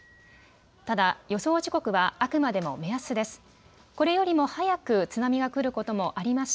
ただ予想時刻はあくまでも目安です。